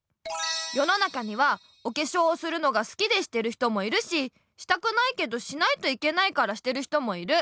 世の中にはおけしょうをするのがすきでしてる人もいるししたくないけどしないといけないからしてる人もいる。